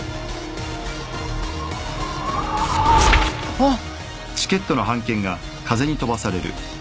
あっ！